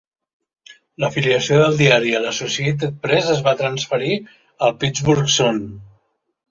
L'afiliació del diari a l'Associated Press es va transferir al "Pittsburgh Sun".